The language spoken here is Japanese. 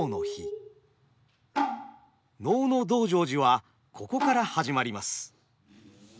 能の「道成寺」はここから始まります。